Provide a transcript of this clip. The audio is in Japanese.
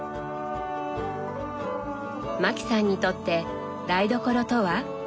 マキさんにとって台所とは？